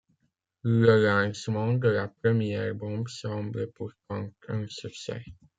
Le lancement de la première bombe semble pourtant un succès.